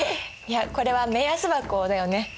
いやこれは目安箱だよね。